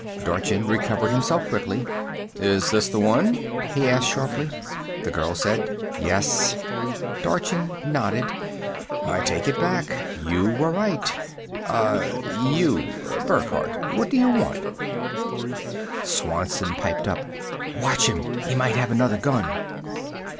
Dorchin recovered himself quickly. "Is this the one?" he asked sharply. The girl said, "Yes." Dorchin nodded. "I take it back. You were right. Uh, you Burckhardt. What do you want?" Swanson piped up, "Watch him! He might have another gun."